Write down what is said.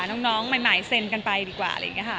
ลูกหลุมก่อนใกล้แพรงดีกว่า